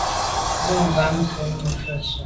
Mà ngab tsho’ mfe tù.